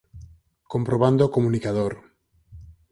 Comprobando o comunicador.